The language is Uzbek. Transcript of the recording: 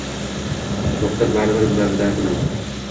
Do‘xtir baribir biladi-da buni.